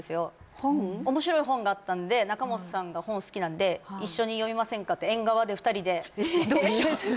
面白い本があったんで仲本さんが本好きなんで「一緒に読みませんか」ってええっ！？